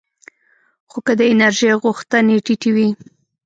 خو که د انرژۍ غوښتنې ټیټې وي